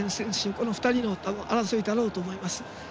この２人の争いになると思います。